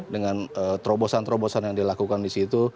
dengan terobosan terobosan yang dilakukan di situ